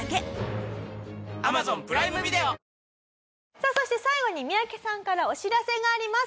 さあそして最後に三宅さんからお知らせがあります。